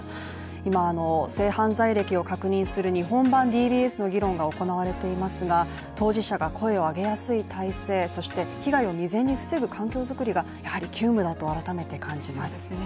今、性犯罪歴を確認する日本版ＤＢＳを導入する声が上がっていますけれども当事者が声を上げやすい体制、そして被害を未然に防ぐ環境作りが急務だと感じます。